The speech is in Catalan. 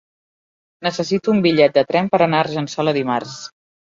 Necessito un bitllet de tren per anar a Argençola dimarts.